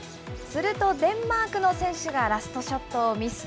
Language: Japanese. するとデンマークの選手がラストショットをミス。